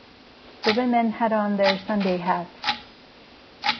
The women had on their Sunday hats.